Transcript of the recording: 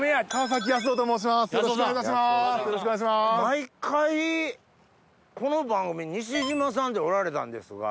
毎回この番組西島さんっておられたんですが。